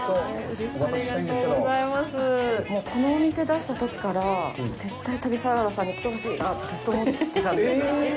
このお店出したときから絶対、旅サラダさんに来てほしいなとずっと思ってたんですよ。